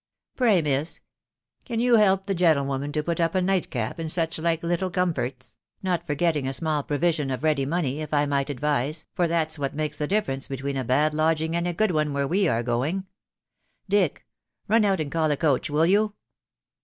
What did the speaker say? .•. Pray, miss, can you help the gentlewoman to put up a night cap, and such like little comforts, .... not forgetting a small provision of ready money, if I might advise, for that's what makes the difference between a bad lodging and a good one where we are going. ••. Dick ••• run out and call a coach, will you